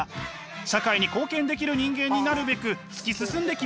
社会に貢献できる人間になるべく突き進んできました。